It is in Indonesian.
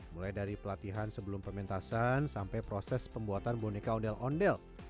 mulai dari pelatihan sebelum pementasan sampai proses pembuatan boneka ondel ondel